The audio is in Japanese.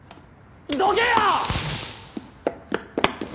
どけよ！